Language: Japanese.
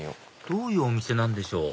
どういうお店なんでしょう？